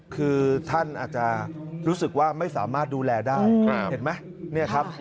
คือท่านอาจารย์รู้สึกว่าไม่สามารถดูแลได้เห็นไหมเนี่ยครับ